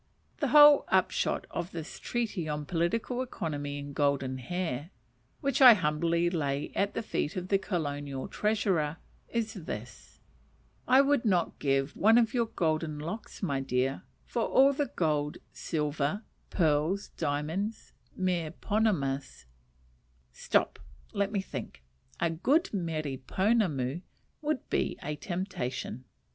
The whole upshot of this treatise on political economy and golden hair (which I humbly lay at the feet of the Colonial Treasurer), is this: I would not give one of your golden locks, my dear, for all the gold, silver, pearls, diamonds, mere ponamus stop, let me think: a good mere ponamu would be a temptation.